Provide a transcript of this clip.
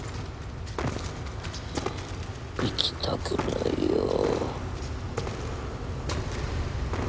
行きたくないよう。